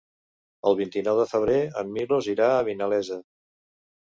El vint-i-nou de febrer en Milos irà a Vinalesa.